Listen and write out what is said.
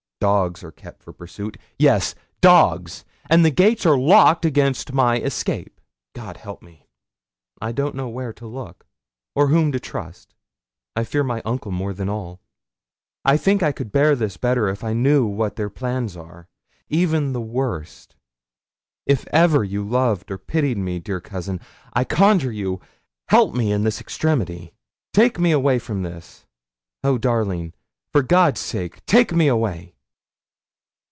Dogs are kept for pursuit yes, dogs! and the gates are locked against my escape. God help me! I don't know where to look, or whom to trust. I fear my uncle more than all. I think I could bear this better if I knew what their plans are, even the worst. If ever you loved or pitied me, dear cousin, I conjure you, help me in this extremity. Take me away from this. Oh, darling, for God's sake take me away!